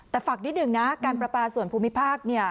แต่ฝากนิดหนึ่งนะการประปาส่วนภูมิภาค